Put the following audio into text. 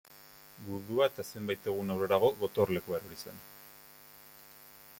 Gudua eta zenbait egun aurrerago, gotorlekua erori zen.